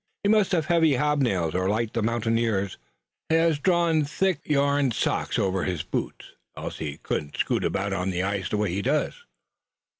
He must have heavy hobnails, or, like the mountaineers, he has drawn thick yarn socks over his boots, else he couldn't scoot about on the ice the way he does."